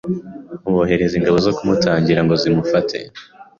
bohereza ingabo zo kumutangira ngo zimufate